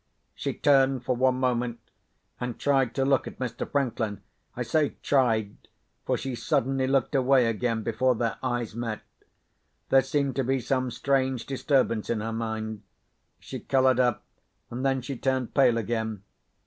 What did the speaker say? She turned for one moment, and tried to look at Mr. Franklin. I say, tried, for she suddenly looked away again before their eyes met. There seemed to be some strange disturbance in her mind. She coloured up, and then she turned pale again.